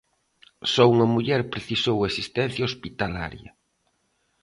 Só unha muller precisou asistencia hospitalaria.